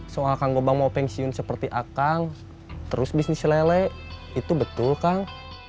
soal kang gebang mau pensiun seperti akang terus bisnis lele itu betul kang